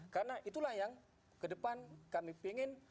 karena itulah yang ke depan kami pingin